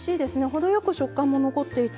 程よく食感も残っていて。